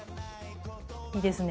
いいですね